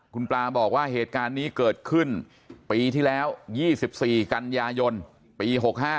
คุณปลาบอกว่าเหตุการณ์นี้เกิดขึ้นปีที่แล้ว๒๔กันยายนปี๖๕